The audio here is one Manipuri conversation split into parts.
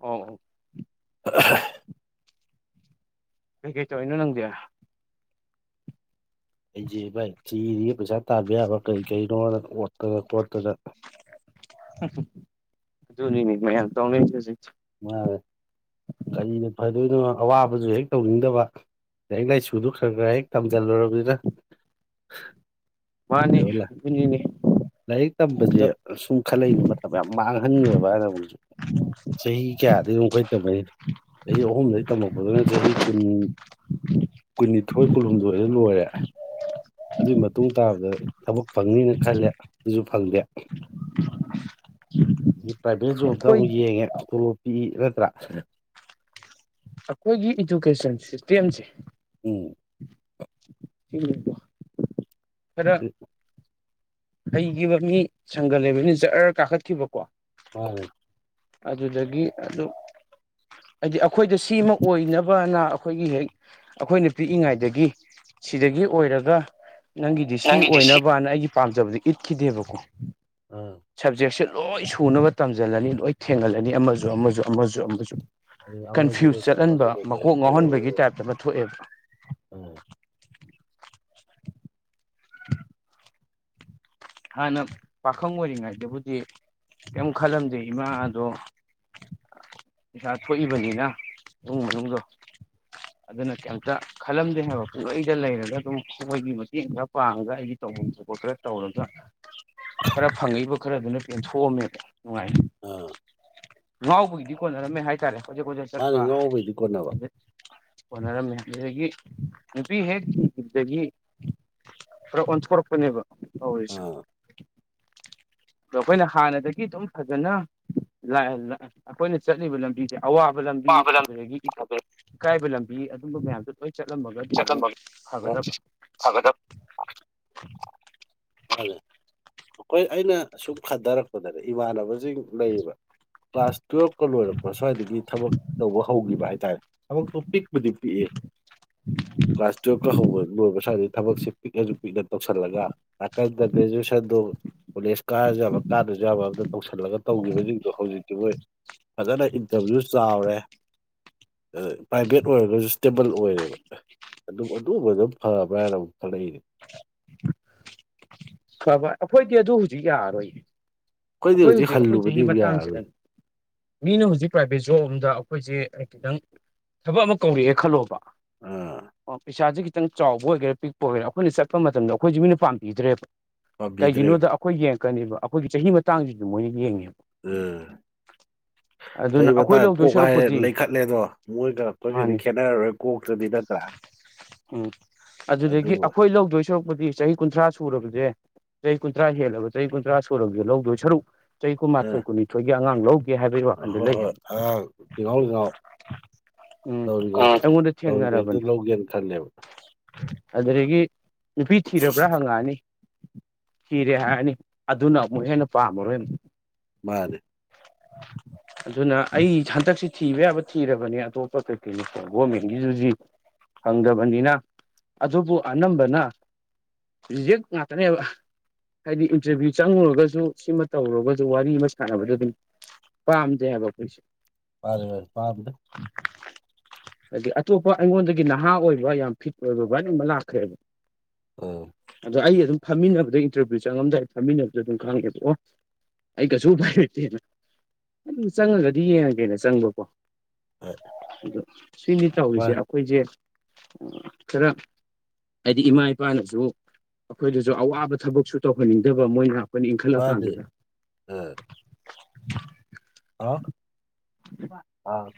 ꯑꯣ ꯑꯣ ꯀꯩꯀꯩ ꯇꯧꯏꯅꯣ ꯅꯪꯗꯤ ꯑꯩꯁꯦ ꯚꯥꯏ ꯁꯤꯤꯔꯤꯒ ꯄꯩꯁꯥ ꯇꯥꯟꯕ ꯌꯥꯕ ꯀꯔꯤ ꯀꯔꯤꯅꯣꯅ ꯈꯣꯠꯇꯅ ꯈꯣꯠꯇꯅ ꯨꯅꯤ ꯃꯁꯤ ꯃꯥꯔꯦ ꯀꯔꯤꯅ ꯐꯗꯣꯏꯅꯣ ꯑꯋꯥꯕꯁꯨ ꯍꯦꯛ ꯇꯧꯅꯤꯡꯗꯕ ꯂꯥꯏꯛ ꯂꯥꯏꯁꯨꯗꯨ ꯈꯔ ꯈꯔ ꯍꯦꯛ ꯇꯝꯖꯜꯂꯨꯔꯕꯅꯤꯅ ꯃꯥꯅꯤ ꯀꯅꯦ ꯂꯥꯏꯔꯤꯛ ꯇꯝꯕꯁꯦ ꯁꯨꯝ ꯈꯠꯂꯛꯏ ꯃꯇꯝ ꯌꯥꯝ ꯃꯥꯡꯍꯟꯈꯦꯕ ꯍꯥꯏꯅ ꯍꯧꯖꯤꯖꯤꯛ ꯆꯍꯤ ꯀꯌꯥꯗꯒꯤ ꯌꯝꯈꯩ ꯇꯝꯃꯅꯤ ꯆꯍꯤ ꯑꯍꯨꯝꯗꯒꯤ ꯇꯝꯃꯛꯄꯗꯨꯅ ꯆꯍꯤ ꯀꯨꯟ ꯀꯨꯟꯅꯤꯊꯣꯏ ꯀꯨꯟꯍꯨꯝꯗꯣꯏꯗ ꯂꯣꯏꯔꯦ ꯑꯗꯨꯒꯤ ꯃꯇꯨꯡ ꯇꯥꯕꯗ ꯊꯕꯛ ꯐꯪꯅꯤꯅ ꯈꯜꯂꯦ ꯑꯗꯨꯁꯨ ꯐꯪꯗꯦ ꯄ꯭ꯔꯥꯏꯚꯦꯠ ꯖꯣꯕꯇ ꯑꯩꯈꯣꯏ ꯑꯃꯨꯛ ꯌꯦꯡꯉꯦ ꯇꯣꯂꯣꯞꯄꯤꯤ ꯅꯠꯇ꯭ꯔꯥ ꯑꯩꯈꯣꯏꯒꯤ ꯏꯗꯨꯀꯦꯁꯟ ꯁꯤꯁꯇꯦꯝꯁꯦ ꯎꯝ [unintelligible] ꯈꯔ ꯍꯩꯈꯤꯕ ꯃꯤ ꯁꯪꯒ ꯂꯩꯕꯅꯤ ꯖꯠꯔ ꯀꯥꯈꯠꯈꯤꯕꯀꯣ [unintelligible] ꯑꯗꯨꯗꯒꯤ ꯑꯗꯨ ꯍꯥꯏꯗꯤ ꯑꯩꯈꯣꯏꯗ ꯁꯤꯃ ꯑꯣꯏꯅꯕꯅ ꯑꯩꯈꯣꯏꯒꯤ ꯍꯦꯛ ꯑꯩꯈꯣꯏꯅ ꯄꯤꯛꯏꯉꯩꯗꯒꯤ ꯁꯤꯗꯒꯤ ꯑꯣꯏꯔꯒ ꯅꯪꯒꯤꯗꯤ ꯁꯤ ꯑꯣꯏꯅꯕꯅ ꯑꯩꯒꯤ ꯄꯥꯝꯖꯕꯗꯤ ꯏꯠꯈꯤꯗꯦꯕꯀꯣ ꯑꯣ ꯁꯕꯖꯦꯛꯁꯦ ꯂꯣꯏ ꯁꯨꯅꯕ ꯇꯝꯁꯤꯜꯂꯅꯤ ꯂꯣꯏ ꯊꯦꯡꯒꯜꯂꯅꯤ ꯑꯃꯁꯨ ꯑꯃꯁꯨ ꯑꯃꯁꯨ ꯑꯃꯁꯨ ꯑꯗꯨ ꯑꯃꯁꯨ ꯀꯟꯐ꯭ꯌꯨꯁ ꯑꯣꯏꯗ ꯆꯠꯍꯟꯕ ꯑꯃꯁꯨ ꯑꯣꯏꯗ ꯍꯦꯛ ꯃꯀꯣꯛ ꯉꯥꯎꯍꯟꯕꯒꯤ ꯑꯣꯏꯍꯧꯔꯦꯅꯦ ꯇꯥꯏꯞꯇ ꯑꯃ ꯊꯣꯛꯑꯦꯕ ꯑꯥ [unintelligible] ꯍꯥꯟꯅ ꯄꯥꯈꯪ ꯑꯣꯏꯔꯤꯉꯩꯗꯕꯨꯗꯤ ꯀꯩꯝ ꯈꯜꯂꯝꯗꯦ ꯏꯃꯥ ꯑꯗꯣ ꯄꯩꯥ ꯊꯣꯛꯏꯕꯅꯤꯅ ꯏꯃꯨꯡ ꯃꯅꯨꯡꯗꯣ [unintelligible] ꯑꯗꯨꯅ ꯀꯩꯝꯇ ꯈꯜꯂꯝꯗꯦ ꯍꯥꯏꯕ ꯄꯨꯡꯂꯩꯗ ꯂꯩꯔꯒ ꯑꯗꯨꯝ ꯃꯣꯏꯒꯤ ꯃꯇꯦꯡ ꯈꯔ ꯄꯥꯡꯉꯒ ꯑꯩꯒꯤ ꯇꯧꯗ ꯈꯣꯠ ꯈꯔ ꯇꯧꯔꯒ ꯈꯔ ꯐꯪꯉꯛꯏꯕ ꯈꯔꯗꯨꯅ ꯄꯦꯟꯊꯣꯛꯑꯝꯃꯦꯕ ꯅꯨꯡꯉꯥꯏ ꯑꯥ ꯉꯥꯎꯕꯒꯤꯗꯤ ꯀꯣꯟꯅꯔꯝꯃꯦ ꯍꯥꯏꯇꯥꯔꯦ ꯍꯧꯖꯤꯛ ꯈꯖꯛ ꯃꯥꯅꯦ ꯆꯠꯄ ꯉꯥꯎꯕꯩꯗꯤ ꯀꯣꯟꯅꯕ ꯍꯅꯔꯝꯃꯤꯗꯒꯤ ꯅꯨꯄꯤ ꯍꯦꯛꯈꯤꯈꯤꯕꯗꯒꯤ ꯑꯣꯟꯁ ꯀꯣꯔꯔꯄꯅꯤꯕ ꯍꯁ ꯑꯥ ꯑꯗꯣ ꯑꯩꯈꯣꯏꯅ ꯍꯥꯟꯅꯗꯒꯤ ꯑꯗꯨꯝ ꯐꯖꯅ ꯂꯥꯛꯑꯦ ꯂꯥꯛꯑꯦ ꯑꯩꯈꯣꯏꯅ ꯆꯠꯂꯤꯕ ꯂꯝꯕꯤꯁꯦ ꯑꯋꯥꯕ ꯂꯝꯕꯤ ꯄꯥꯕ ꯂꯝ ꯑꯗꯨꯗꯒꯤ ꯏꯀꯥꯏꯕ ꯂꯝꯕꯤ ꯑꯗꯨꯝꯕ ꯃꯌꯥꯝꯁꯨ ꯂꯣꯏ ꯆꯠꯂꯝꯃꯒꯗꯤ ꯑꯃꯨꯛ ꯐꯒꯗꯕ ꯍꯥꯏꯒꯗꯣ ꯐꯦ ꯑꯩꯈꯣꯏ ꯑꯩꯅ ꯁꯨꯝ ꯈꯥꯗꯔꯛꯄꯗꯅꯦ ꯏꯃꯥꯟꯅꯕꯁꯤꯡ ꯂꯩꯌꯦꯕ ꯀ꯭ꯂꯥꯁ ꯇꯨꯌꯦꯦꯜꯞꯀ ꯂꯣꯏꯔꯛꯄ ꯁ꯭ꯋꯥꯏꯗꯒꯤ ꯊꯕꯛ ꯇꯧꯕ ꯍꯧꯈꯤꯕ ꯍꯥꯏꯇꯥꯔꯦ ꯄꯤꯛꯗꯤꯤ ꯀ꯭ꯂꯥꯁ ꯇꯨꯌꯦꯜꯞꯀ ꯍꯧꯕ ꯂꯣꯏꯕ ꯁꯥꯗꯤ ꯊꯕꯛꯁꯦ ꯄꯤꯛꯅꯁꯨ ꯄꯤꯛꯅ ꯇꯧꯁꯤꯜꯂꯒ ꯇꯀꯗ ꯭ꯔꯖꯁ ꯟꯗ ꯀꯣꯂꯦꯖ ꯀꯥꯔ ꯌꯥꯕ ꯀꯥꯔꯁꯨ ꯌꯥꯕ ꯑꯝꯇ ꯇꯧꯁꯜꯂꯒ ꯇꯧꯈꯤꯕꯁꯤꯡꯗꯣ ꯍꯧꯖꯤꯛꯇꯤ ꯃꯣꯏ ꯐꯖꯅ ꯏꯟꯇꯔꯚꯤꯌꯨ ꯆꯥꯎꯔꯦ ꯄ꯭ꯔꯥꯏꯚꯦꯠ ꯑꯣꯏꯔꯒꯁꯨ ꯁ꯭ꯇꯦꯕꯜ ꯑꯣꯏꯔꯦꯕ ꯑꯗꯨꯝ ꯑꯗꯨꯝꯕ ꯑꯗꯨꯝ ꯐꯕ꯭ꯔꯥ ꯍꯥꯏꯅ ꯑꯃꯨꯛ ꯈꯜꯂꯛꯏꯅꯦ ꯐꯕꯣꯏ ꯑꯩꯈꯣꯏꯗꯤ ꯑꯗꯨ ꯍꯧꯖꯤꯛ ꯌꯥꯔꯔꯣꯏꯌꯦ ꯑꯩꯈꯣꯏꯗꯤ ꯑꯩꯈꯣꯏ ꯍꯧꯖꯤꯛ ꯑꯩꯈꯣꯏ ꯍꯜꯂꯨꯕꯗꯤ ꯆꯍꯤ ꯑꯃꯨꯛ ꯌꯥꯔꯔꯣꯏ ꯃꯇꯥꯡꯁꯤꯗꯅꯤ ꯃꯤꯅ ꯍꯧꯖꯤꯛ ꯄ꯭ꯔꯥꯏꯚꯦꯠ ꯖꯣꯕ ꯑꯝꯗ ꯑꯩꯈꯣꯏꯁꯦ ꯈꯤꯇꯪ ꯊꯕꯛ ꯑꯃ ꯀꯧꯔꯛꯑꯦ ꯈꯜꯂꯣꯕ ꯑꯥ ꯑꯣ ꯄꯁꯥꯖꯤ ꯈꯤꯇꯪ ꯆꯥꯎꯕ ꯑꯣꯏꯒꯦꯔꯥ ꯄꯤꯛꯄ ꯑꯣꯏꯒꯦꯔ ꯑꯩꯈꯣꯏꯅ ꯆꯠꯄ ꯃꯇꯝꯗ ꯑꯩꯈꯣꯏꯁꯨ ꯃꯤꯅ ꯄꯥꯝꯕꯤꯗ꯭ꯔꯦꯕ ꯀꯩꯒꯤꯅꯣꯗ ꯄꯥꯝꯕꯤꯗ꯭ꯔꯦꯕ ꯑꯩꯈꯣꯏ ꯌꯦꯡꯉꯛꯀꯅꯦꯕ ꯑꯩꯈꯣꯏꯒꯤ ꯆꯍꯤ ꯃꯇꯥꯡꯁꯤꯗ ꯃꯣꯏꯅ ꯌꯦꯡꯉꯦꯕ ꯎꯝ ꯆꯍꯤ ꯑꯗꯨꯅ ꯑꯩꯈꯣꯏ ꯃꯇꯥꯡ ꯂꯧꯗꯣꯏ ꯀꯣꯛ ꯍꯥꯏ ꯁꯔꯨꯛꯄꯨꯗꯤ ꯂꯩꯈꯠꯂꯦꯗꯣ ꯃꯣꯏꯒ ꯑꯩꯈꯣꯏꯒꯗꯤ ꯃꯥꯅꯤ ꯈꯦꯠꯅꯔꯔꯣꯏ ꯀꯣꯛꯇꯗꯤ ꯅꯠꯇ꯭ꯔꯥ [unintelligible] ꯎꯝ ꯑꯗꯨꯗꯒꯤ ꯑꯗꯨꯕꯨ ꯑꯩꯈꯣꯏ ꯁꯔꯛꯄꯗꯤ ꯆꯍꯤ ꯀꯨꯟꯊ꯭ꯔꯥ ꯁꯨꯔꯕꯁꯦ ꯆꯍꯤ ꯀꯨꯟꯊ꯭ꯔꯥ ꯍꯦꯜꯂꯕ ꯆꯍꯤ ꯀꯨꯟꯊ꯭ꯔꯥ ꯁꯨꯔꯕꯗꯤꯦ ꯂꯧꯗꯣꯏ ꯁꯔꯨꯛ ꯆꯍꯤ ꯑꯥ ꯀꯨꯟꯃꯥꯊꯣꯏ ꯀꯨꯟꯅꯤꯊꯣꯏꯒꯤ ꯑꯉꯥꯡ ꯂꯧ ꯍꯣꯏ ꯍꯣꯏ ꯑꯉꯥꯡ ꯂꯤꯡꯍꯥꯎ ꯂꯤꯡꯉꯥꯎ ꯎꯝ ꯇꯧꯔꯤꯉ ꯑꯩꯉꯣꯟꯗ ꯇꯧꯔꯤꯉꯩꯗꯨ ꯊꯦꯡꯅꯔꯕꯅꯤ ꯂꯧꯒꯦꯅ ꯈꯜꯂꯦꯕ ꯑꯗꯨꯗꯒꯤ ꯅꯨꯄꯤ ꯊꯤꯔꯕ꯭ꯔꯥ ꯍꯪꯉꯛꯑꯅꯤ ꯀꯤꯔꯦ ꯍꯥꯏꯔꯅꯤ ꯑꯗꯨꯅ ꯑꯃꯨꯛ ꯍꯦꯟꯅ ꯄꯥꯝꯃꯔꯣꯏꯛ ꯃꯥ ꯑꯗꯨ [unintelligible] ꯑꯗꯨꯅ ꯑꯩ ꯍꯟꯗꯛꯁꯤ ꯊꯤꯕ ꯌꯥꯕ ꯊꯤꯔꯕꯅꯦ ꯑꯇꯣꯞꯄ ꯀꯩꯀꯩꯣ ꯒꯣꯔꯃꯦꯟꯒꯤꯗꯨꯗꯤ ꯐꯪꯗꯕꯅꯤꯅ ꯑꯗꯨꯕꯨ ꯑꯅꯝꯕꯅ ꯍꯧꯖꯤꯛ ꯉ ꯇꯅꯕ ꯍꯥꯏꯗꯤ ꯏꯟꯇꯔꯚꯤꯌꯨ ꯆꯪꯉꯨꯔꯒꯁꯨ ꯁꯤꯃ ꯇꯧꯔꯨꯔꯒꯁꯨ ꯋꯥꯔꯤ ꯑꯃ ꯁꯥꯟꯅꯕꯗ ꯑꯗꯨꯝ ꯄꯝꯖꯦ ꯍꯥꯏꯕꯄꯣꯏꯁꯦ ꯄꯔ ꯄꯥꯝ ꯍꯥꯏꯗꯤ ꯑꯇꯣꯞꯄ ꯑꯩꯉꯣꯟꯗꯒꯤ ꯅꯍꯥ ꯑꯣꯏꯕ ꯌꯥꯝ ꯐꯤꯠ ꯑꯣꯏꯕ ꯚꯔꯤ ꯑꯃ ꯂꯥꯛꯈ꯭ꯔꯦꯕ ꯑꯣ ꯑꯗꯣ ꯑꯩ ꯑꯗꯨꯝ ꯐꯝꯃꯤꯟꯅꯕꯗ ꯏꯟꯇꯔꯚꯤꯌꯨ ꯆꯪꯉꯝꯗꯥꯏ ꯐꯝꯃꯤꯟꯅꯗ ꯑꯗꯨꯝ ꯈꯪꯉꯦꯕ ꯑꯣ ꯑꯩ ꯀꯩꯁꯨ ꯐꯥꯏꯔꯇꯦꯅ ꯑꯗꯨ ꯆꯪꯉꯒꯗꯤ ꯌꯦꯡꯉꯒꯦꯅ ꯆꯪꯕꯀꯣ [unintelligible] ꯑꯗꯣ ꯁꯤꯅꯤ ꯇꯧꯔꯤꯁꯦ ꯍꯣꯏ ꯑꯩꯈꯣꯏꯁꯦ ꯈꯔ ꯍꯥꯏꯗꯤ ꯏꯃꯥ ꯏꯄꯥꯅꯁꯨ ꯑꯩꯈꯣꯏꯗꯁꯨ ꯑꯋꯥꯕ ꯊꯕꯛꯁꯨ ꯇꯧꯍꯟꯅꯤꯡꯗꯕ ꯃꯣꯏꯅ ꯑꯩꯈꯣꯏꯅ ꯏꯟꯈꯠꯂ ꯀꯥꯟꯗꯨꯗ ꯑꫭ ꯍꯂꫭ ꯑꯥ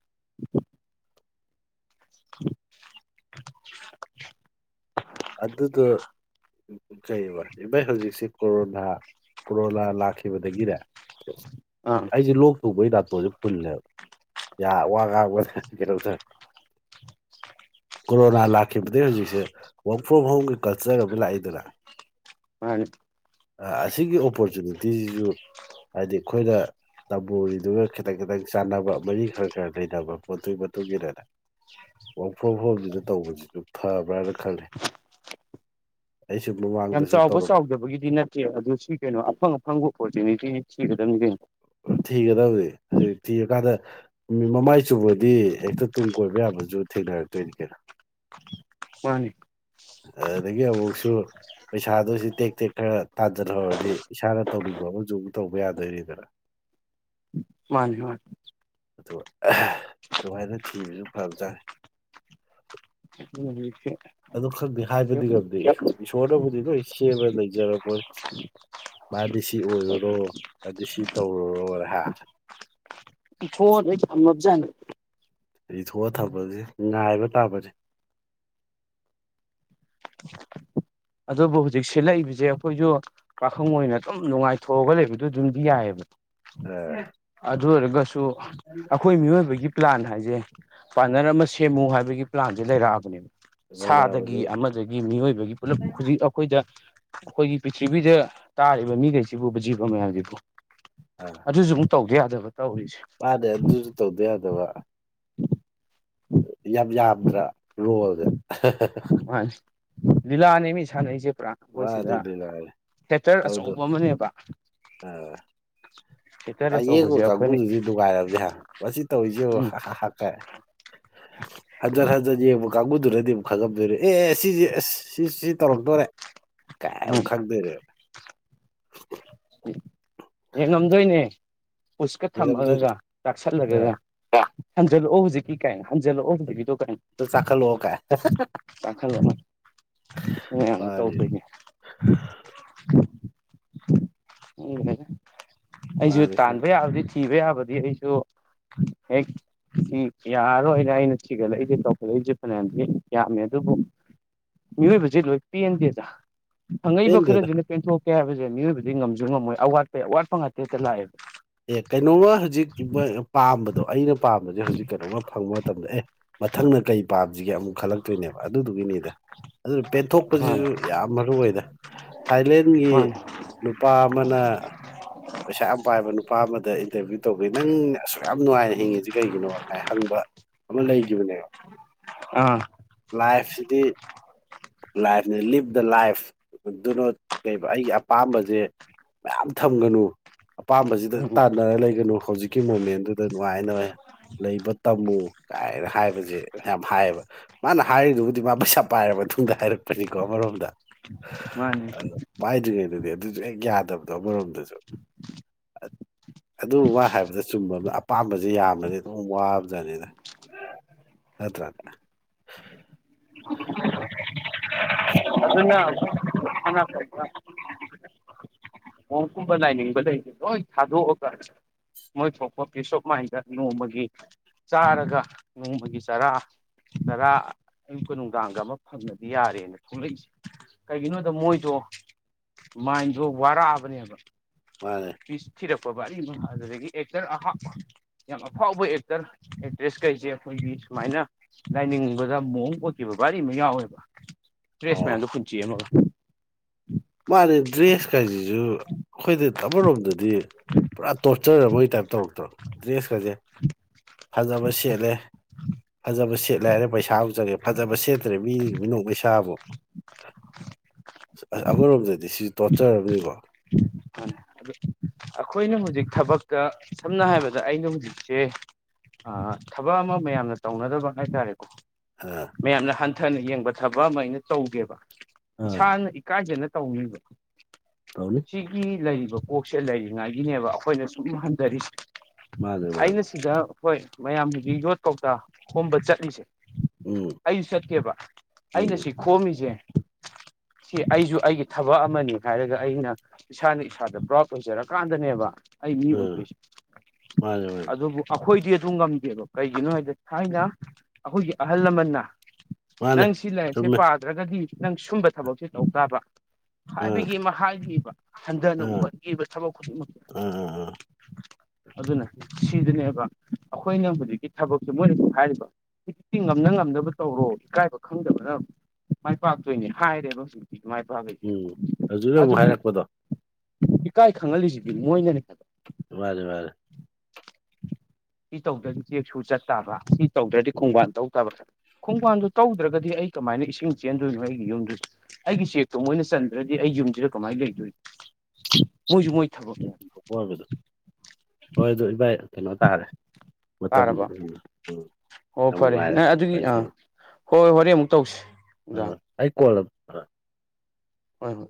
[unintelligible] [unintelligible] ꯑꯗꯨꯗ ꯀꯩ ꯏꯚꯩ ꯍꯧꯖꯤꯛꯁ ꯀꯣꯔꯣꯅꯥ ꯀꯣꯔꯣꯅꯥ ꯂꯥꯛꯈꯤ ꯈꯤꯕꯗꯒꯤꯅꯦ ꯑꯥ ꯑꯩꯁꯦ ꯂꯣꯛ ꯇꯧꯕꯩ ꯅꯥꯥꯇꫭꯟꯁꯦ ꯐꯨꯜꯂꯦꯕ ꯌꯥ ꯋꯥ ꯉꯥꯡꯕ ꯀꯩꯅꯣꯔꯦ ꯀꯣꯔꯣꯅꯥ ꯂꯥꯛꯈꯤꯕꯗꯒꯤ ꯍꯧꯖꯤꯛꯁꯦ ꯋꯔꯛ ꯐ꯭ꯔꯣꯝ ꯍꯣꯝꯒꯤ ꯀꯜꯆꯔ ꯑꯃꯨꯛ ꯂꯥꯛꯏꯗꯅ ꯃꯥꯅꯤ ꯑꯁꯤꯒꯤ ꯑꯣꯄꯣꯔꯆꯨꯅꯤꯇꯤꯁꯤꯁꯨ ꯍꯥꯏꯗꯤ ꯑꯩꯈꯣꯏꯅ ꯇꯝꯃꯣꯔꯤꯗꯨꯒ ꯈꯤꯇꯪ ꯈꯤꯇꯪ ꯆꯥꯟꯅꯕ ꯃꯔꯤ ꯈꯔ ꯈꯔ ꯂꯩꯅꯕ ꯄꯣꯠꯇꯨꯒꯤ ꯃꯇꯨꯡ ꯏꯟꯅꯅꯦ [unintelligible] ꯇꯧꯕꯁꯤꯁꯨ ꯐꯕ꯭ꯔꯥꯅ ꯈꯜꯂꯦ ꯑꯩꯁꯨ ꯌꯥꯝ ꯃꯃꯥꯡꯗꯁꯨ ꯆꯥꯎꯕ ꯇꯧꯔꯝ ꯆꯥꯎꯗꯕꯒꯤꯗꯤ ꯅꯠꯇꯦ ꯑꯗꯨ ꯁꯤ ꯀꯩꯅꯣ ꯑꯐꯪ ꯑꯐꯪꯕ ꯑꯣꯄꯣꯔꯆꯨꯅꯤꯇꯤ ꯁꯤꯒꯗꯕꯅꯤ ꯀꯩꯅꯣ ꯊꯤꯒꯗꯕꯅꯤ ꯍꯧꯖꯤꯛ ꯊꯤꯔꯀꯥꯟꯗ ꯃꯃꯥꯏ ꯁꯨꯕꯗꯤ ꯍꯦꯛꯇ ꯇꯨꯡ ꯀꯣꯏꯕ ꯌꯥꯕꯁꯨ ꯊꯦꯡꯅꯔꯛꯇꯣꯏꯅꯤ ꯀꯩꯅꯣ꯫ ꯃꯥꯅꯤ ꯑꯗꯨꯗꯒꯤ ꯑꯃꯨꯛꯁꯨ ꯄꯩꯁꯥꯗꯁꯤ ꯇꯦꯛ ꯇꯦꯛ ꯈꯔ ꯇꯥꯟꯖꯟꯍꯧꯔꯗꯤ ꯏꯁꯥꯅ ꯇꯧꯅꯤꯡꯕ ꯑꯃꯁꯨ ꯑꯃ ꯇꯧꯕ ꯌꯥꯗꯣꯏꯅꯤꯗꯅ [inaudible] ꯃꯥꯅꯦ ꯃꯥꯅꯦ ꯑꯗꯨꯒ ꯑꯗꯨꯃꯥꯏꯅ ꯊꯤꯕꯁꯨ ꯐꯕꯖꯠꯅꯦ [unintelligible] ꯑꯗꯨ ꯈꯪꯗꯦ ꯍꯥꯏꯕꯗꯤ ꯈꯝꯗꯦ ꯏꯁꯣꯔꯅꯕꯨꯗꯤ ꯂꯣꯏ ꯁꯦꯝꯃ ꯂꯩꯖꯔ ꯄꯣꯠꯅꯦ꯫ ꯃꯥꯗꯤ ꯁꯤ ꯑꯣꯏꯔꯨꯔꯣ ꯑꯗꯨꯗꯤ ꯁꯤ ꯇꯧꯔꯨꯔꯣ ꯍꯥ ꯏꯊꯣꯛꯑ ꯂꯣꯏ ꯊꯝꯃꯖꯥꯠꯅꯤ꯫ ꯏꯊꯣꯛꯑ ꯊꯝꯕꯁꯦ ꯉꯥꯏꯕ ꯇꯥꯕꯅꯤ [inaudible] ꯑꯗꯨꯕꯨ ꯍꯧꯖꯤꯛ ꯁꯤꯠꯂꯛꯏꯕꯁꯦ ꯑꯩꯈꯣꯏꯁꯨ ꯄꯥꯈꯪ ꯑꯣꯏꯅ ꯑꯗꯨꯝ ꯅꯨꯡꯉꯥꯏꯊꯣꯛꯑꯒ ꯂꯩꯕꯗꯣ ꯑꯗꯨꯝꯗꯤ ꯌꯥꯏꯑꯦꯕ꯫ ꯑ ꯑꯗꯨꯑꯣꯏꯔꯒꯁꯨ ꯑꯩꯈꯣꯏ ꯃꯤꯑꯣꯏꯕꯒꯤ ꯄ꯭ꯂꯥꯟ ꯍꯥꯏꯁꯦ ꯄꯥꯔꯠꯅꯔ ꯑꯃ ꯁꯦꯝꯃꯨ ꯍꯥꯏꯕꯒꯤ ꯄ꯭ꯂꯥꯟꯁꯦ ꯂꯩꯔꯛꯑꯕꯅꯦꯕ ꯁꯥꯗꯒꯤ ꯂꯩꯔꯛꯑꯕꯅꯤ ꯑꯃꯗꯒꯤ ꯃꯤꯑꯣꯏꯕꯒꯤ ꯄꯨꯂꯞꯖꯤꯛ ꯑꯩꯈꯣꯏꯗ ꯑꯩꯈꯣꯏꯒꯤ ꯄꯤꯔꯤꯊꯤꯕꯤꯗ ꯇꯥꯔꯤꯕ ꯃꯤꯈꯩꯁꯤꯕꯨ ꯖꯤꯕ ꯃꯌꯥꯝꯁꯤꯕꯨ ꯑꯥ ꯑꯗꯨꯁꯨ ꯑꯃꯨꯛ ꯇꯧꯗ ꯌꯥꯗꯕ ꯇꯧꯔꯤꯁꯦ ꯃꯥꯅꯦ ꯑꯗꯨꯁꯨ ꯇꯧꯗ ꯌꯥꯗꯕ ꯌꯥꯝ ꯌꯥꯝꯗ꯭ꯔꯥ ꯔꯣꯜꯒ ꯃꯥꯅꯤ ꯂꯤꯂꯥꯅꯦꯃꯤ ꯁꯥꯅꯩꯁꯦ ꯄꯨꯔꯥ ꯃꯈꯣꯏꯁꯤꯗ ꯃꯥꯅꯤꯅꯦ ꯃꯥꯅꯤ ꯊꯦꯇꯔ ꯑꯆꯧꯕ ꯑꯃꯅꯦꯕ ꯑꯥ ꯊꯦꯇꯔ ꯑꯌꯦꯡꯕ ꯑꯆꯧꯕꯁꯦ ꯑꯩꯈꯣꯏꯅ ꯀꯥꯡꯕꯨꯗꯨꯁꯨ ꯅꯨꯡꯉꯥꯏꯔꯝꯅꯥ ꯍꯥ ꯃꯁꯤ ꯇꯧꯔꯤꯁꯦ ꯌꯦꯡꯉꯨ ꯎꯝ ꯍꯥ ꯍꯥ ꯍꯥ ꯀꯥꯏꯅ꯫ ꯍꯟꯖꯟ ꯍꯟꯖꯟ ꯌꯦꯡꯕ ꯀꯥꯡꯕꯨꯗꯨꯅꯗꯤ ꯑꯃꯨꯛ ꯈꯪꯉꯝꯗꯣꯏꯅꯦ ꯑꯦ ꯑꯦ ꯁꯤꯁꯦ ꯑꯁ ꯁꯤ ꯁꯤ ꯇꯧꯔꯛꯇꯣꯔꯦ ꯀꯥꯏꯃꯨꯛ ꯎꯝ ꯈꯪꯗꯣꯏꯅꯦꯕ ꯌꯦꯡꯉꯝꯗꯣꯏꯅꯦ ꯄꯨꯁꯀ ꯌꯦꯡꯉꯝꯗꯣꯏꯅꯦ ꯊꯝꯃꯒꯒ ꯆꯥꯛꯁꯜꯂꯒꯒ ꯑ ꯍꯟꯖꯜꯂꯛ ꯑꯣ ꯍꯧꯖꯤꯛꯀꯤ ꯀꯥꯏ ꯍꯟꯖꯂꯛꯑꫭ ꯑꯝꯇ ꯍꯧꯖꯤꯛꯀꯤꯗꫭ ꯀꯥꯏꯅ ꯆꯥꯛꯈꯠꯂꯛꯑꯣ ꯀꯥꯏ ꯇꯥꯡꯈꯠꯂꯅ ꯃꯌꯥꯝꯁꯨ ꯃꯥꯅꯤ ꯇꯧꯗꯣꯏꯅꯦ INAUDIBLE ꯎꯝ ꯑꯩꯁꯨ ꯃꯥꯅꯤ ꯈꯪ ꯇꯥꯟꯕ ꯌꯥꯕꯗꯤ ꯊꯤꯕ ꯌꯥꯕꯗꯤ ꯑꯩꯁꯨ ꯍꯦꯛ ꯎꯝ ꯌꯥꯔꯣꯏꯅꯦ ꯑꯩꯅ ꯊꯤꯒꯠꯂꯛꯏꯁꯦ ꯇꯧꯈꯠꯂꯛꯏꯁꯦ ꯐꯅꯌꯥꯝꯗꯤ ꯌꯥꯝꯃꯦ ꯑꯗꯨꯕꯨ ꯃꯤꯑꯣꯏꯕꯁꯤ ꯂꯣꯏ ꯄꯦꯟꯗꯦꯗ ꯐꯪꯉꯛꯏꯕ ꯄꯦꯟꯗꯦꯗ ꯈꯔꯁꯤꯅ ꯄꯦꯟꯊꯣꯛꯀꯦ ꯍꯥꯏꯕꯁꯦ ꯃꯤꯑꯣꯏꯕꯗꯤ ꯉꯝꯁꯨ ꯉꯝꯃꯣꯏ ꯑꯋꯥꯠꯄ ꯑꯋꯥꯠꯄ ꯉꯥꯛꯇꯦꯇ ꯂꯥꯛꯑꯦꯕ ꯑꯦ ꯀꯩꯅꯣꯃ ꯍꯧꯖꯤꯛ ꯄꯥꯝꯕꯗꯣ ꯑꯩꯅ ꯄꯥꯝꯕꯁꯦ ꯍꯧꯖꯤꯛ ꯀꯩꯅꯣꯝꯃ ꯐꯪꯕ ꯃꯇꯝꯗ ꯑꯦ ꯃꯊꯪꯅ ꯀꯩ ꯄꯥꯁꯤꯒꯦ ꯑꯃꯨꯛ ꯈꯜꯂꯛꯇꯣꯏꯅꯦꯕ ꯑꯗꯨꯗꯨꯒꯤꯅꯤꯗ ꯑꯗꯨꯅ ꯃꯥꯅꯤ ꯄꯦꯟꯊꯣꯛꯄꯁꯤꯁꯨ ꯌꯥꯝ ꯃꯔꯨ ꯑꯣꯏꯗ ꯊꯥꯏꯂꯦꯟꯒꯤ ꯃꯥꯅꯤ ꯅꯨꯄꯥ ꯑꯃꯅ ꯄꯩꯁꯥ ꯌꯥꯝ ꯄꯥꯏꯕ ꯅꯨ ꯅꯨꯄꯥ ꯑꯃꯗ ꯏꯟꯇꯔꯚꯤꯌꯨ ꯇꯧꯕꯤ ꯅꯪꯅ ꯑꯁꯨꯛ ꯌꯥꯝ ꯅꯨꯡꯉꯥꯏꯅ ꯍꯤꯡꯉꯤꯁꯤ ꯀꯩꯒꯤꯅꯣ ꯍꯪꯕ ꯑꯃ ꯂꯩꯈꯤꯕꯅꯦꯕ ꯑꯥ ꯂꯥꯏꯐꯁꯤꯗꯤ ꯂꯥꯏꯐꯅꯦ ꯂꯤꯞ ꯗ ꯂꯥꯏꯐ ꯑꯗꯨꯅꯣꯠ ꯀꯩꯕ ꯑꯩꯒꯤ ꯑꯄꯥꯝꯕꯁꯦ ꯃꯌꯥꯝ ꯊꯝꯒꯅꯨ ꯑꯄꯥꯝꯕꯁꯤꯗ ꯎꯝ ꯇꯥꯟꯅꯔ ꯂꯩꯒꯅꯨ ꯍꯧꯖꯤꯛ ꯍꯧꯀꯤ ꯃꯣꯃꯦꯟꯗꯨꯗ ꯅꯨꯡꯉꯥꯏꯅꯔ ꯂꯩꯕ ꯇꯝꯃꯨ ꯀꯥꯏꯅ ꯍꯥꯏꯕꯁꯦ ꯌꯥꯝ ꯍꯥꯏꯌꯦꯕ ꯃꯥꯅ ꯍꯥꯏꯔꯤꯗꯨꯕꯨꯗꯤ ꯃꯥ ꯄꯩꯁꯥ ꯄꯥꯏꯔꯕ ꯃꯇꯨꯡꯗ ꯍꯥꯏꯔꯛꯄꯅꯤꯀꯣ ꯑꯃꯔꯣꯝꯗ ꯃꯥꯅꯤ ꯑ ꯄꯥꯏꯗ꯭ꯔꯤꯉꯩꯗꯗꯤ ꯑꯗꯨꯁꯨ ꯍꯦꯛ ꯌꯥꯗꯕꯗꯣ ꯑꯃꯣꯝꯗꯁꯨ ꯑꯗꯨ ꯃꯥ ꯍꯥꯏꯕꯗ ꯆꯨꯝꯕ ꯑꯄꯥꯝꯕꯁ ꯌꯥꯝꯅꯗꯤ ꯑꯗꯨꯝ ꯋꯥꯕꯖꯠꯅꯤꯗ ꯅꯠꯇ꯭ꯔ INAUDIBLE UNINTELLIGIBLE ꯃꫭꯡꯀꯨꯝꯕ ꯂꯥꯏꯅꯤꯡꯕ ꯂꯩꯁꯦ ꯍꯣꯏ ꯊꯥꯗꯣꯛꯑꯒ ꯃꯣꯏ ꯊꯣꯛꯄ ꯄꯤꯁ ꯑꫭꯞ ꯃꯥꯏꯟꯗ ꯅꯣꯡꯃꯒꯤ ꯆꯥꯔꯒ ꯅꯣꯡꯃꯒꯤ ꯆꯔꯥ ꯆꯔꯥ ꯑꯌꯨꯛꯀ ꯅꯨꯡꯗꯥꯡꯒ ꯑꯃ ꯐꯪꯅꯗꯤ ꯌꯥꯔꯦꯅ ꯊꯣꯛꯂꯛꯏꯁꯦ ꯀꯩꯒꯤꯅꯣꯗ ꯃꯣꯏꯗꯣ ꯃꯥꯏꯟꯗꯣ ꯋꯥꯔꯛꯑꯕꯅꯦꯕ ꯃꯥꯅꯦ ꯄꯤꯁ ꯊꯤꯔꯛꯄ ꯕꯔꯤꯃꯥꯖꯨ ꯑꯗꯨꯗꯒꯤ ꯑꯦꯛꯇꯔ ꯑꯍꯥ ꯌꯥꯝ ꯑꯐꯥꯎꯕ ꯑꯦꯛꯇꯔ ꯑꯦꯛꯇ꯭ꯔꯦꯁ ꯀꯩꯁꯦ ꯑꯩꯈꯣꯏꯒꯤ ꯁꯨꯃꯥꯏꯅ ꯂꯥꯏꯅꯤꯡꯕꯗ ꯃꫭꯡ ꯑꯣꯏꯈꯤꯕ ꯕꯥꯔꯤ ꯑꯃ ꯌꯥꯎꯋꯦꯕ ꯇ꯭ꯔꯦꯁ ꯑꯣ ꯃꯌꯥꯝꯗꯣ ꯍꯨꯟꯆꯦꯛ ꯑꯃꯒ ꯃꯥꯅꯦ ꯗ꯭ꯔꯦꯁ ꯀꯥꯏꯁꯤꯁꯨ ꯑꯩꯈꯣꯏꯗ ꯑꯃꯔꯣꯝꯗꯗꯤ ꯄꯨꯔꯥ ꯇꯣꯔꯆꯔ ꯃꯒꯤ ꯇꯥꯏꯞ ꯇꯧꯔꯛꯇ꯭ꯔꯣ ꯗ꯭ꯔꯦꯁꯀꯁꯦ ꯐꯖꯕ ꯁꯦꯠꯂꯦ ꯐꯖꯕ ꯁꯦꯠꯂꯦ ꯍꯥꯏꯔꯦ ꯄꯩꯁꯥ ꯑꯃꯨꯛ ꯆꯪꯉꯦ ꯐꯖꯕ ꯁꯦꯠꯇ꯭ꯔꯦ ꯃꯤ ꯃꯤꯅꯣꯛ ꯃꯩꯁꯥ ꯑꯃꯨꯛ ꯑꯁ ꯑꯃꯥꯔꯣꯝꯗꯗꯤ ꯁꯤ ꯇꯣꯠꯆꯔ ꯑꯃꯥꯅꯤꯀꯣ ꯑꯗꯨ ꯑꯩꯈꯣꯏꯅ ꯍꯧꯖꯤꯛ ꯊꯕꯛꯇ ꯁꯝꯅ ꯍꯥꯏꯔꯕꯗ ꯑꯩꯅ ꯍꯧꯖꯤꯛꯁꯦ ꯑ ꯊꯕꯛ ꯑꯃ ꯃꯌꯥꯝꯅ ꯇꯧꯅꯗꯕ ꯍꯥꯏꯇꯥꯔꯦꯀꯣ ꯑꯥ ꯃꯌꯥꯝꯅ ꯍꯟꯊꯅ ꯌꯦꯡꯕ ꯊꯕꯛ ꯑꯃ ꯑꯩꯅ ꯇꯧꯒꯦꯕ ꯑꯥ ꯏꯁꯥꯅ ꯏꯀꯥꯏꯖꯅ ꯇꯧꯅꯤꯕ ꯇꯧꯅꯤ ꯁꯤꯒꯤ ꯂꯩꯔꯤꯕ ꯀꯣꯛꯁꯦ ꯂꯩꯔꯤꯉꯥꯏꯒꯤꯅꯦꯕ ꯑꯩꯈꯣꯏꯅ ꯁꯨꯝ ꯍꯟꯊꯔꯤꯁꯦ ꯃꯥꯅꯦ ꯃꯥꯅꯦ ꯑꯩꯅ ꯁꯤꯗ ꯍꯣꯏ ꯃꯌꯥꯝꯗꯨꯒꯤ ꯌꯣꯠ ꯀꯧꯇꯥ ꯍꯣꯝꯕ ꯆꯠꯂꯤꯁꯦ ꯎꯝ ꯑꯩꯁꯨ ꯆꯠꯀꯦꯕ ꯑꯩꯅ ꯎꯝ ꯁꯤ ꯈꯣꯝꯃꯤꯁꯦ ꯁꯤ ꯑꯩꯁꯨ ꯑꯩꯒꯤ ꯊꯕꯛ ꯑꯃꯅꯤ ꯍꯥꯏꯔꯒ ꯑꯩꯅ ꯏꯁꯥꯅ ꯏꯁꯥꯗ ꯄ꯭ꯔꯥꯎꯠ ꯂꯣꯏꯖꯔꯀꯥꯟꯗꯅꯦꯕ ꯑꯩ ꯃꯤ ꯑꯥ ꯑꯣꯏꯗꯣꯏꯁꯦ ꯃꯥꯅꯦ ꯃꯥꯅꯦ ꯑꯗꯨꯕꯨ ꯑꯩꯈꯣꯏꯗꯤ ꯑꯗꯨꯝ ꯉꯝꯗꯦꯕ ꯀꯩꯒꯤꯅꯣ ꯍꯥꯏꯗ ꯊꯥꯏꯅ ꯑꯩꯈꯣꯏꯒꯤ ꯑꯍꯜ ꯂꯃꯟꯅ ꯃꯥꯅꯦ ꯅꯪ ꯁꯤ ꯂꯥꯏꯔꯤꯛꯁꯦ ꯆꯨꯝꯃꯦ ꯄꯥꯗ꯭ꯔꯒꯗꯤ ꯅꯪ ꯁꯨꯝꯕ ꯊꯕꯛꯁꯦ ꯇꯧ ꯇꯥꯕ ꯑꯥ ꯍꯥꯏꯕꯒꯤ ꯑꯃ ꯍꯥꯏꯈꯤꯕ ꯍꯟꯊꯅ ꯑꯥ ꯎꯍꯟꯈꯤꯕ ꯊꯕꯛ ꯈꯨꯗꯤꯡꯃꯛ ꯑꯥ [inaudible] ꯑꯗꯨꯅ ꯁꯤꯗꯨꯅꯦꯕ ꯑꯩꯈꯣꯏꯅ ꯍꯧꯖꯤꯛꯀꯤ ꯊꯕꯛꯁꯦ ꯃꯣꯏꯅꯁꯨ ꯍꯥꯏꯔꯤꯕ ꯏꯛꯇꯤ ꯉꯝꯅ ꯉꯝꯗꯅꯕ ꯇꯧꯔꯣ ꯏꯀꯥꯏꯕ ꯈꯪꯗꯕꯅ ꯃꯥꯏ ꯄꯥꯛꯇꯣꯏꯅꯦ ꯍꯥꯏꯔꯦꯕ ꯍꯧꯖꯤꯛ ꯁꯤ ꯃꯥꯏ ꯄꯥꯛꯁꯤ ꯎꯝ ꯍꯧꯖꯤꯛꯅ ꯑꯃꯨꯛ ꯑꯗꯨꯕꯨ ꯍꯥꯏꯔꯛꯄꯗꯣ ꯏꯀꯥꯏ ꯈꯪꯍꯜꯂꯤꯁꯤꯗꯤ ꯃꯣꯏꯅꯅꯦ ꯈ ꯃꯥꯅꯦ ꯃꯥꯅꯦ ꯁꯤ ꯇꯧꯗꯔꯤ ꯆꯦꯛꯁꯨ ꯆꯠꯇꯕ ꯇꯧꯗ꯭ꯔꯗꯤ ꯎꯝ ꯈꯣꯡꯕꯥꯟ ꯇꯧꯗꯕ ꯈꯣꯡꯕꯥꯟꯗꯨ ꯇꯧꯗ꯭ꯔꯒꯗꯤ ꯑꯩ ꯀꯃꯥꯏꯅ ꯏꯁꯤꯡ ꯆꯦꯟꯗꯣꯏꯅꯣ ꯑꯩꯒꯤ ꯌꯨꯝꯗꯨꯗ ꯑꯩꯒꯤ ꯆꯦꯛꯇꯣ ꯃꯣꯏꯅ ꯆꯟꯗ꯭ꯔꯗꯤ ꯑꯩ ꯌꯨꯝꯁꯤꯗ ꯀꯃꯥꯏꯅ ꯂꯩꯗꯣꯏꯅꫭ ꯃꯣꯏꯁꯨ ꯃꫭꯏ ꯊꯕꯛꯅꯦ ꯑꯣꯏꯕꯗ ꯍꯣꯏ ꯑꯗꯨ ꯏꯚꯏ ꯀꯩꯅꯣ ꯇꯥꯔꯦ ꯃꯇꯝ ꯇꯥꯔꯕ ꯎꯝ ꯑꯣ ꯌꯥꯝ ꯐꯔꯦ ꯅꯨꯡꯉꯥꯏꯔꯦ ꯅꯪ ꯐ ꯑꯗꯨꯒꯤ ꯑꯥ ꯍꯣꯏ ꯍꯣꯏ ꯍꯣꯔꯦ ꯑꯃꯨꯛ ꯇꯧꯁꯤ ꯑ ꯅꯨꯡꯗꯥꯡ ꯑꯩ ꯀꯣꯜ ꯍꯣꯏ ꯍꯣꯏ